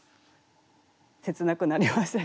切なくなりました。